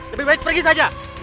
lebih baik pergi saja